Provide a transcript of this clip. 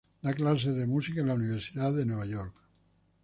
Da clases de música en la Universidad de Nueva York.